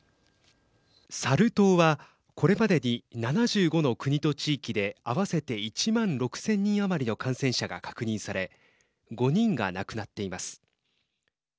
サル痘はこれまでに７５の国と地域で合わせて１万６０００人余りの感染者が確認され５人が亡くなっています。